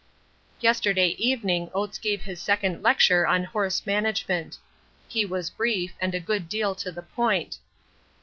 Yesterday evening Oates gave his second lecture on 'Horse management.' He was brief and a good deal to the point.